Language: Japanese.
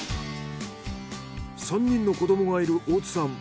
３人の子どもがいる大津さん。